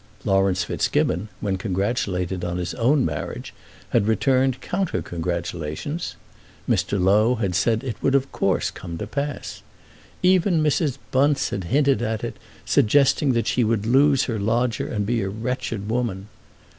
Laurence Fitzgibbon, when congratulated on his own marriage, had returned counter congratulations. Mr. Low had said that it would of course come to pass. Even Mrs. Bunce had hinted at it, suggesting that she would lose her lodger and be a wretched woman.